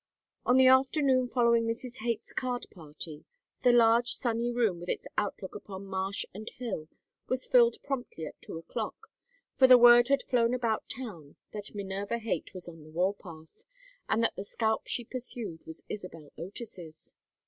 On the afternoon following Mrs. Haight's card party the large sunny room with its outlook upon marsh and hill was filled promptly at two o'clock; for the word had flown about town that Minerva Haight was on the war path and that the scalp she pursued was Isabel Otis's.